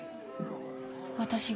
私が？